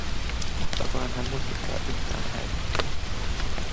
Mahtaakohan hän muistuttaa yhtään äitiään?